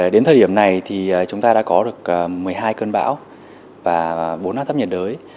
đến thời điểm này thì chúng ta đã có được một mươi hai cơn bão và bốn áp thấp nhiệt đới